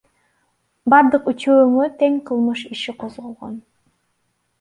Бардык үчөөнө тең кылмыш иши козголгон.